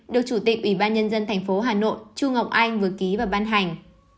được chủ tịch ủy ban nhân dân tp hà nội chu ngọc anh vừa ký và ban hành